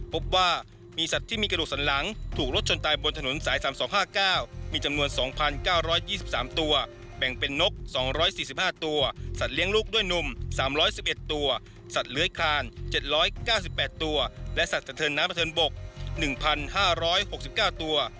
พบว่ามีสัตว์ที่มีกระดูกสันหลังถูกรถชนตายบนถนนสาย๓๒๕๙มีจำนวน๒๙๒๓ตัวแบ่งเป็นนก๒๔๕ตัวสัตว์เลี้ยงลูกด้วยนุ่ม๓๑๑ตัวสัตว์เลื้อยคลาน๗๙๘ตัวและสัตว์สะเทินน้ำสะเทินบก๑๕๖๙ตัว